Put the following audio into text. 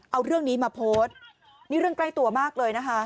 เอาเรื่องนี้มาโพสต์นี่เรื่องใกล้ตัวมากเลยนะคะ